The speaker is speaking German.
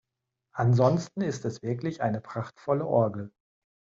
Ansonsten ist es wirklich eine prachtvolle Orgel.